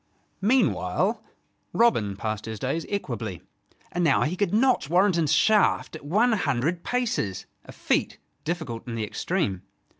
Meanwhile Robin passed his days equably: and now he could notch Warrenton's shaft at one hundred paces, a feat difficult in the extreme.